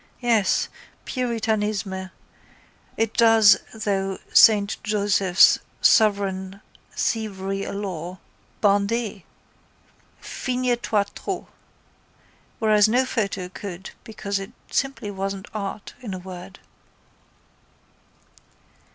Yes, puritanisme, it does though, Saint Joseph's sovereign thievery alors (Bandez!) Figne toi trop. Whereas no photo could because it simply wasn't art in a word.